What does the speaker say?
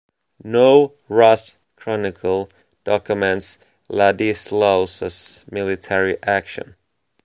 No Rus' chronicle documents Ladislaus's military action.